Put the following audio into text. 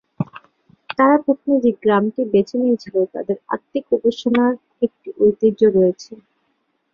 তারা প্রথমে যে গ্রামটি বেছে নিয়েছিল, তাদের আত্মিক উপাসনার একটি ঐতিহ্য রয়েছে।